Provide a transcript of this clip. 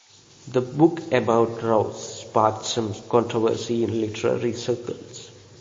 The book about Rowse sparked some controversy in literary circles.